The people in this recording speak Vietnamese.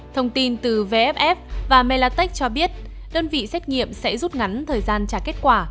thông tin từ vff và melatech cho biết đơn vị xét nghiệm sẽ rút ngắn thời gian trả kết quả